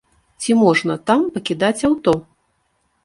Ці можна там пакідаць аўто?